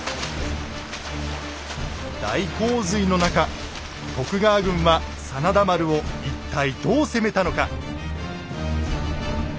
大洪水の中徳川軍は真田丸を一体どう攻めたのか。